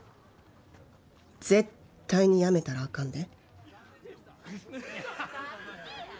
絶対にやめたらあかんで。